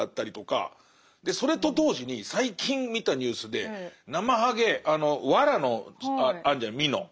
それと同時に最近見たニュースでナマハゲあの藁のあるじゃん蓑。